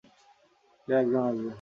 কেউ একজন আসবে।